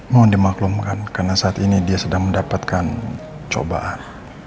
mohon dimaklumkan karena saat ini dia sedang mendapatkan cobaan